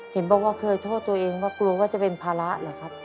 เห็นบอกว่าเคยโทษตัวเองว่ากลัวว่าจะเป็นภาระเหรอครับ